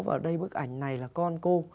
và ở đây bức ảnh này là con cô